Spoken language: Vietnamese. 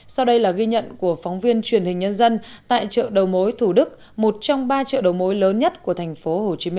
sau đây là ghi nhận của phóng viên truyền hình nhân dân tại chợ đầu mối thủ đức một trong ba chợ đầu mối lớn nhất của tp hcm